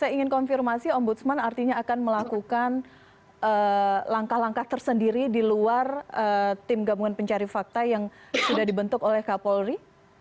saya ingin konfirmasi ombudsman artinya akan melakukan langkah langkah tersendiri di luar tim gabungan pencari fakta yang sudah dibentuk oleh kapolri